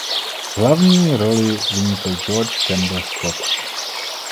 V hlavní roli vynikl George Campbell Scott.